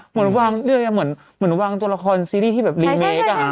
เหมือนวางตัวละครซีรีส์ที่แบบรีเมกอ่ะ